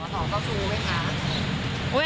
สองเจ้าชู้ไหมคะ